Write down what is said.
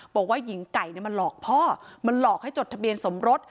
บอกว่าหญิงไก่มาหลอกพ่อมันหลอกให้จดทะเบียนสมรส